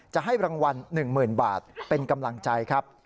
จะให้รางวัล๑๐๐๐บาทเป็นกำลังใจครับ